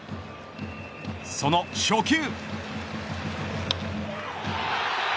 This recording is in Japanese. その初球。